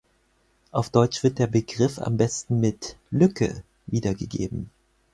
Auf deutsch wird der Begriff am besten mit „Lücke“ wiedergegeben.